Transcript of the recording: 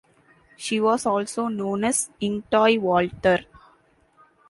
She was also known as Ying-tai Walther.